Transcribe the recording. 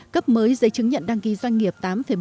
cấp mới giấy chứng nhận đăng ký doanh nghiệp tám một